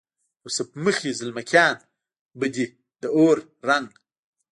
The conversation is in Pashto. یوسف مخې زلمکیان به دې د اور رنګ،